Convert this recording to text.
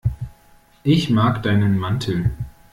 Ich mag deinen Mantel.